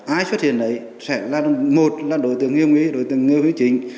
ai xuất hiện đấy sẽ là một là đối tượng nghiêm nghị đối tượng nghiêu hứa chính